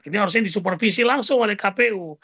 ini harusnya disupervisi langsung oleh kpu